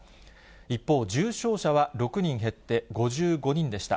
一方、重症者は６人減って５５人でした。